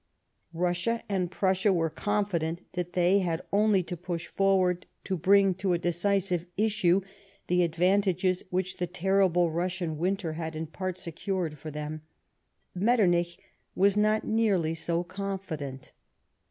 Eussia and Prussia were confident that they had only to push forward to bring to a decisive issue the advantages which the terrible Piussian winter had in part secured for them. 3[etternich was not nearly so confident.